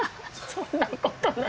そんな事ない。